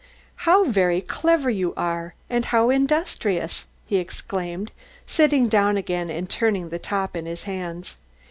"How very clever you are, and how industrious," he exclaimed, sitting down again and turning the top in his hands.